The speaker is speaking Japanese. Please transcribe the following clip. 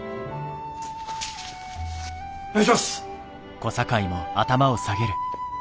お願いします。